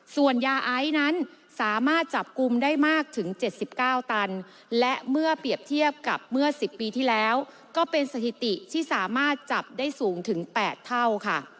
ส่วนยาไอซ์นั้นสามารถจับกลุ่มได้มากถึง๗๙ตันและเมื่อเปรียบเทียบกับเมื่อ๑๐ปีที่แล้วก็เป็นสถิติที่สามารถจับได้สูงถึง๘เท่าค่ะ